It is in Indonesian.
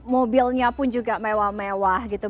mobilnya pun juga mewah mewah gitu